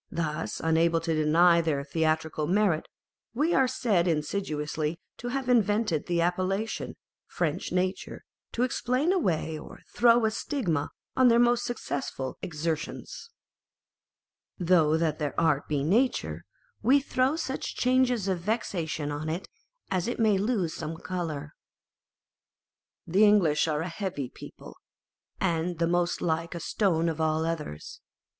Thus unable to deny their theatrical merit, we are said insidiously to have invented the appellation, French nature, to ex plain away or throw a stigma on their most successful exertions : Though that their art be nature, We throw such changes of vexation on it, As it may lose some colour. The English are a heavy people, and the most like a stone of all others.